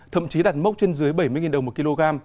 thậm chí đạt mốc trên dưới bảy mươi đồng một kg